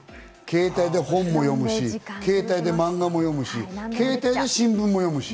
携帯で本も読むし、漫画も読むし、携帯で新聞も読むし。